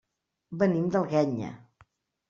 Venim de l'Alguenya.